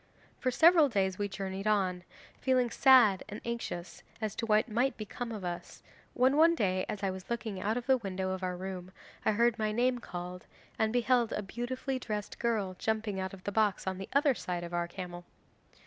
'For several days we journeyed on, feeling sad and anxious as to what might become of us, when one day as I was looking out of the window of our room, I heard my name called, and beheld a beautifully dressed girl jumping out of the box on the other side of our camel.